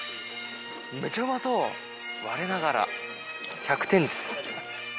めちゃうまそうわれながら１００点です。